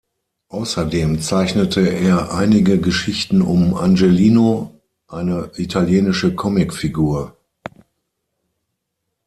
Außerdem zeichnete er einige Geschichten um Angelino, eine italienische Comic-Figur.